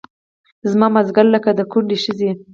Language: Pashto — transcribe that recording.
زما مازدیګر لکه د کونډې ښځې